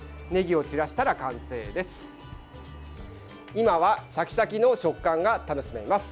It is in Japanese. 今はシャキシャキの食感が楽しめます。